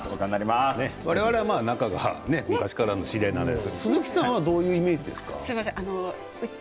我々は仲が、昔からの知り合いですが鈴木さんはどんなイメージですか？